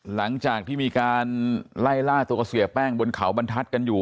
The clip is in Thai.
หลังจากที่มีการไล่ล่าตัวเสียแป้งบนเขาบรรทัศน์กันอยู่